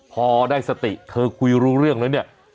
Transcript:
พอได้สติเธอคุยรู้เรื่องแล้วเนี่ย